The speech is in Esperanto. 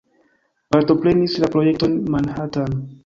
Partoprenis la projekton Manhattan.